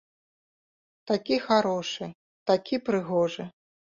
Такі харошы, такі прыгожы.